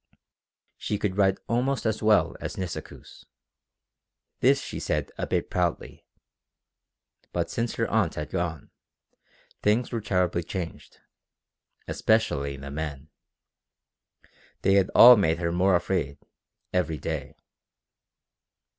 She could write almost as well as Nisikoos. She said this a bit proudly. But since her aunt had gone, things were terribly changed. Especially the men. They had made her more afraid, every day.